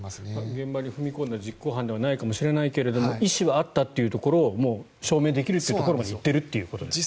現場に踏み込んだ実行犯ではないかもしれないけれども意思はあったというところを証明できるところまで行っているということですよね。